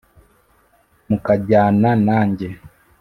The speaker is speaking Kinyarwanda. mukajyana nanjye